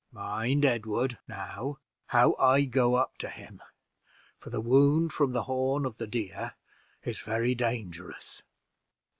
"Mind, Edward, now, how I go up to him, for the wound from the horn of the deer is very dangerous."